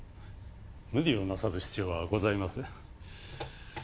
無理をなさる必要はございません。